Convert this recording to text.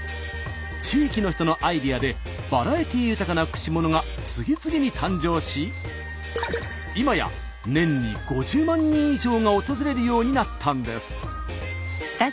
地域の人のアイデアでバラエティー豊かな串物が次々に誕生し今や年に５０万人以上が訪れるようになったんです。